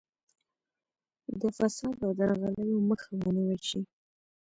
د فساد او درغلیو مخه ونیول شي.